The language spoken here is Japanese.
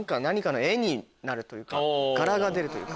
柄が出るというか。